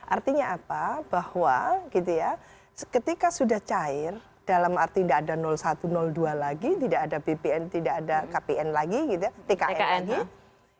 artinya apa bahwa gitu ya ketika sudah cair dalam arti tidak ada satu dua lagi tidak ada bpn tidak ada kpn lagi gitu ya tkn lagi